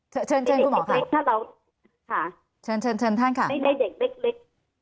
เชิญเชิญคุณหมอพริกถ้าเราค่ะเชิญเชิญท่านค่ะไม่ได้เด็กเล็ก